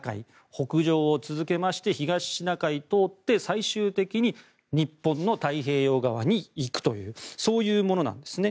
北上を続けまして東シナ海を通って最終的に日本の太平洋側に行くというそういうものなんですね。